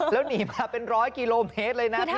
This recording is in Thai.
แล้วหนีมาเป็นร้อยกิโลเมตรเลยนะพี่